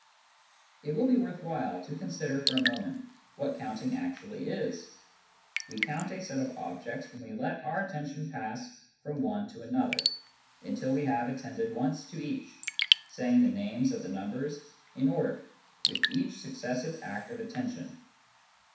It will be worth while to consider for a moment what counting actually is. We count a set of objects when we let our attention pass from one to another, until wc have attended once to each, saying the names of the numbers in order with each successive act of attention.